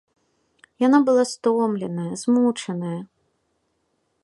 Яна была стомленая, змучаная.